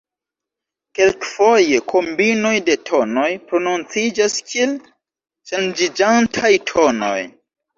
Kelkfoje kombinoj de tonoj prononciĝas kiel ŝanĝiĝantaj tonoj.